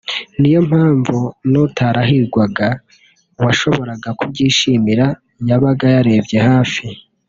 niyo mpamvu n’utarahigwaga washoboraga kubyishimira yabaga yarebye hafi